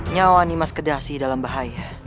nyawa nimas kedasi dalam bahaya